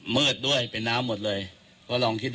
มืดด้วยนะครับ